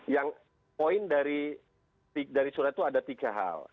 yang poin dari surat itu ada tiga hal